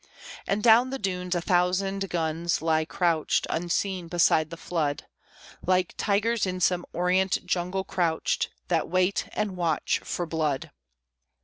And down the dunes a thousand guns lie couched, Unseen, beside the flood, Like tigers in some Orient jungle crouched, That wait and watch for blood.